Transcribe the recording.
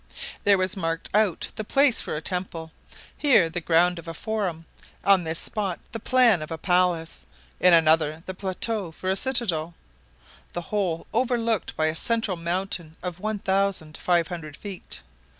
There was marked out the place for a temple, here the ground of a forum, on this spot the plan of a palace, in another the plateau for a citadel; the whole overlooked by a central mountain of 1,500 feet.